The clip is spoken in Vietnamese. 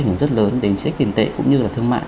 hưởng rất lớn đến chính sách tiền tệ cũng như là thương mại